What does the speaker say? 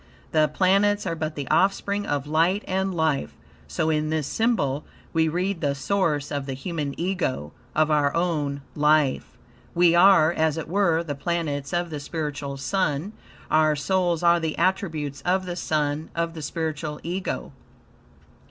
The planets are but the offspring of light and life. So in this symbol, we read the source of the human Ego, of our own life. We are, as it were, the planets of the spiritual Sun. Our souls are the attributes of the Sun, of the spiritual Ego.